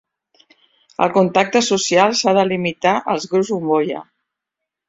El contacte social s'ha de limitar als grups bombolla